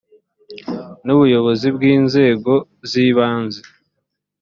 n ubuyobozi bw inzego z ibanze